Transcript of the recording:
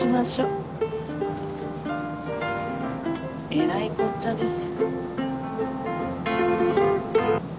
えらいこっちゃです。